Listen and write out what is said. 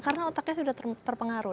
karena otaknya sudah terpengaruh